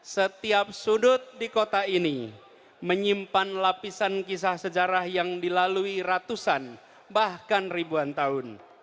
setiap sudut di kota ini menyimpan lapisan kisah sejarah yang dilalui ratusan bahkan ribuan tahun